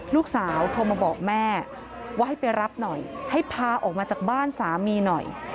ลูกสาวโทรมาบอกแม่ว่าให้ไปรับหน่อยให้พาออกมาจากบ้านสามีหน่อย